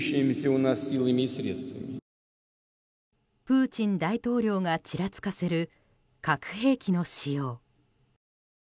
プーチン大統領がちらつかせる核兵器の使用。